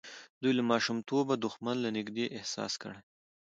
دوی له ماشومتوبه دښمن له نږدې احساس کړی.